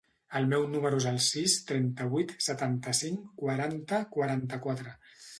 El meu número es el sis, trenta-vuit, setanta-cinc, quaranta, quaranta-quatre.